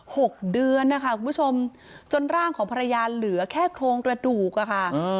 หกเดือนนะคะคุณผู้ชมจนร่างของภรรยาเหลือแค่โครงกระดูกอะค่ะเออ